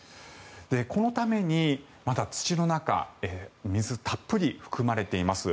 このためにまだ土の中たっぷり水が含まれています。